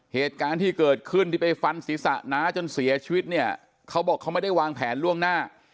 เหตุการณ์ที่เกิดขึ้นที่ไปฟันศีรษะน้าจนเสียชีวิตเนี่ยเขาบอกเขาไม่ได้วางแผนล่วงหน้า